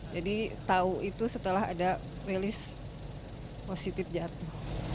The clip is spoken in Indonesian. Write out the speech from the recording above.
jadi tahu itu setelah ada release positif jatuh